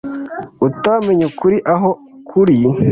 utamenye ukuri aho kuri